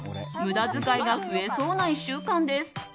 無駄遣いが増えそうな１週間です。